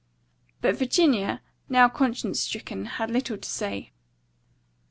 But Virginia, now conscience stricken, had little to say.